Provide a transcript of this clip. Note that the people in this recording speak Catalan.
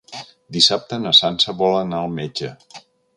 Dissabte na Sança vol anar al metge.